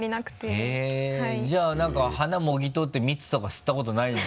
へぇじゃあ何か花もぎ取って蜜とか吸ったことないんだ？